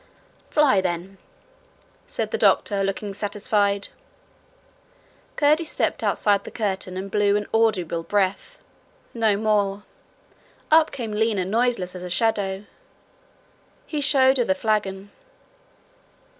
'Fly, then,' said the doctor, looking satisfied. Curdie stopped outside the curtain and blew an audible breath no more; up came Lina noiseless as a shadow. He showed her the flagon.